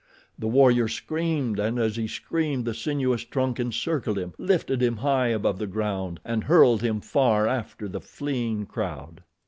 The warrior screamed, and as he screamed, the sinuous trunk encircled him, lifted him high above the ground, and hurled him far after the fleeing crowd.